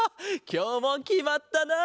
きょうもきまったな！